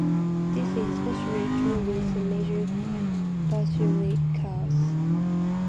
This is especially true with the Major basilicas.